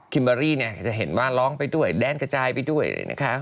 เบอรี่จะเห็นว่าร้องไปด้วยแดนกระจายไปด้วยนะคะ